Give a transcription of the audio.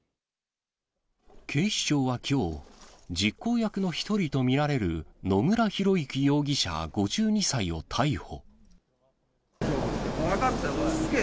警視庁はきょう、実行役の１人と見られる野村広之容疑者５２歳を逮捕。